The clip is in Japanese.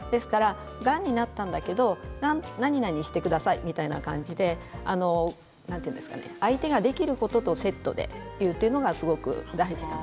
がんになったんだけどなになにしてくださいという感じで相手ができることとセットで言うというのがすごく大事。